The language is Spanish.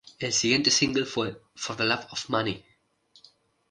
El siguiente single fue "For the Love Of Money".